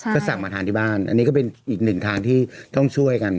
ก็สั่งมาทานที่บ้านอันนี้ก็เป็นอีกหนึ่งทางที่ต้องช่วยกัน